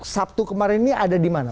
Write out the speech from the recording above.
sabtu kemarin ini ada di mana